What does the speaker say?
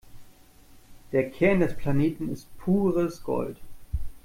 Der Kern des Planeten ist pures Gold.